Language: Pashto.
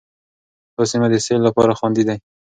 دا سیمه د سیل لپاره خوندي ده.